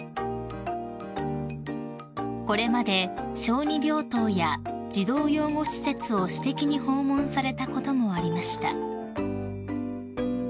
［これまで小児病棟や児童養護施設を私的に訪問されたこともありました］